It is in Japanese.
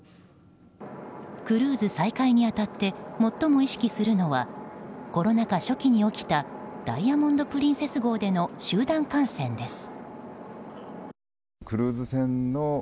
クルーズ再開に当たって最も意識するのはコロナ禍初期に起きた「ダイヤモンド・プリンセス」号での集団感染です。